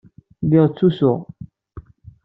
Lliɣ ttusuɣ.